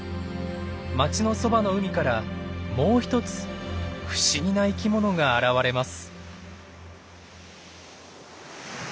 街のそばの海からもう一つ不思議な生きものが現れます。